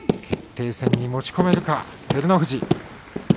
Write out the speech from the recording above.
決定戦に持ち込めるか照ノ富士。